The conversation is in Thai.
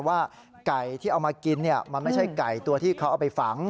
ว่าไก่ที่เอามากินมันไม่ใช่ไก่ตัวที่เขาเอาไปฝัง